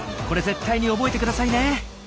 これ絶対に覚えてくださいね。